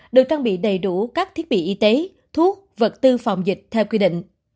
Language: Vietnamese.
được trang bị đầy đủ các thiết bị y tế thuốc vật tư phòng dịch theo quy định